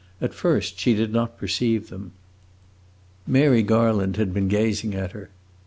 At first she did not perceive them. Mary Garland had been gazing at her.